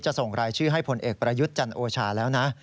ส่งรายชื่อให้ผลเอกประยุทธ์จันโอชาแล้วนะ